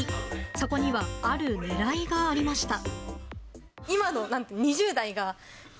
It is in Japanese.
そこにはある狙いがありました。